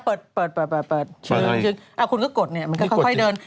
เปิดคุณก็กดเนี่ยมันก็ค่อยเดิน